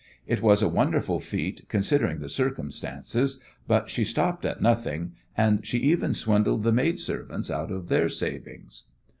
It was a wonderful feat considering the circumstances, but she stopped at nothing, and she even swindled the maidservants out of their savings.